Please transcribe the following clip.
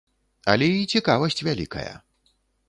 Але і цікавасць вялікая.